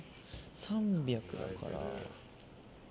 ３００あるから。